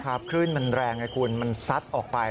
คลื่นมันแรงไงคุณมันซัดออกไป